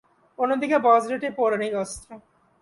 অন্যদিকে বজ্র একটি পৌরাণিক অস্ত্র।